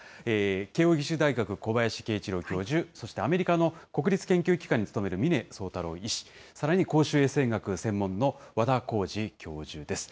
慶應義塾大学、小林慶一郎教授、そしてアメリカの国立研究機関に勤める峰宗太郎医師、さらに公衆衛生学専門の和田耕治教授です。